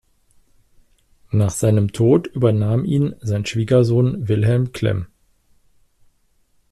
Nach seinem Tod übernahm ihn sein Schwiegersohn Wilhelm Klemm.